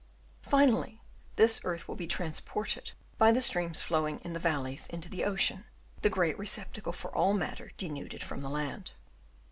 Finally this earth will be transported by the streams flowing in the valleys into the ocean, the great receptacle for all matter denuded from the land.